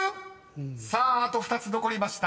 ［さああと２つ残りました。